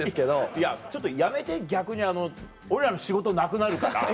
いやちょっとやめて逆に俺らの仕事なくなるから。